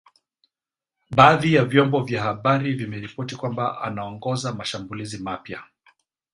Baadhi ya vyombo vya habari vimeripoti kwamba anaongoza mashambulizi mapya.